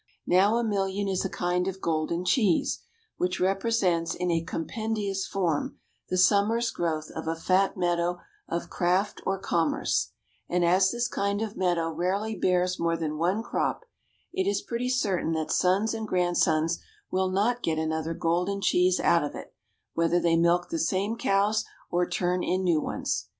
Now a million is a kind of golden cheese, which represents in a compendious form the summer's growth of a fat meadow of craft or commerce; and as this kind of meadow rarely bears more than one crop, it is pretty certain that sons and grandsons will not get another golden cheese out of it, whether they milk the same cows or turn in new ones.